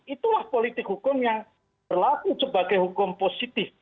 itulah politik hukum yang berlaku sebagai hukum positif